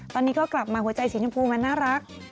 ตอนนี้ก็กลับมาหัวใจสีชมพูมันน่ารัก